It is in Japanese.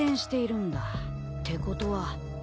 ってことは。